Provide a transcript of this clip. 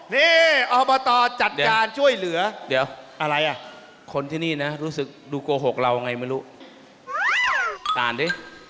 นี่อบตจัดการช่วยเหลือเดี๋ยวอะไรอ่ะคนที่นี่นะรู้สึกดูโกหกเราไงไม่รู้อ่านดิ